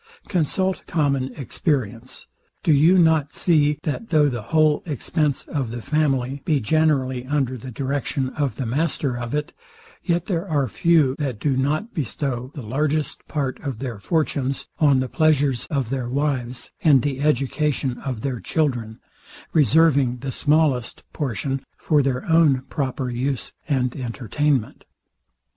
Consult common experience: Do you not see, that though the whole expence of the family be generally under the direction of the master of it, yet there are few that do not bestow the largest part of their fortunes on the pleasures of their wives, and the education of their children, reserving the smallest portion for their own proper use and entertainment.